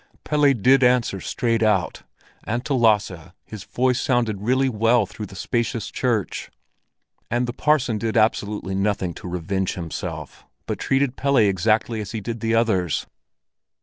Pelle did answer straight out, and to Lasse his voice sounded really well through the spacious church. And the parson did absolutely nothing to revenge himself, but treated Pelle exactly as he did the others.